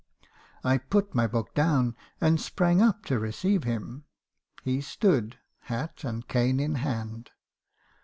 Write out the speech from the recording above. I put my book down, and sprang up to receive him. He stood, hat and cane in hand.